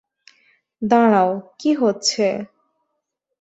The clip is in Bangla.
দাঁড়াও, কী হচ্ছে?